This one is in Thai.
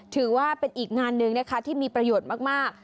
ถือว่าเป็นอีกงานหนึ่งนะคะที่มีประโยชน์มาก